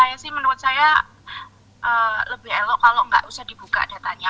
apalagi kemarin mas didik sempat cerita